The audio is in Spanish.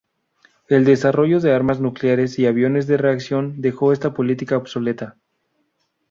El desarrollo de armas nucleares y aviones de reacción dejó esta política obsoleta.